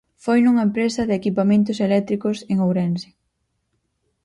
Foi nunha empresa de equipamentos eléctricos en Ourense.